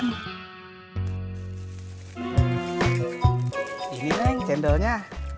gini neng cendolnya